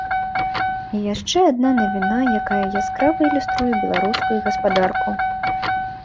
І яшчэ адна навіна, якая яскрава ілюструе беларускую гаспадарку.